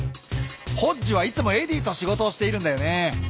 ホッジはいつもエディと仕事をしているんだよね。